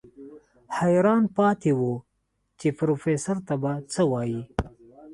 حيران پاتې و چې پروفيسر ته به څه وايي.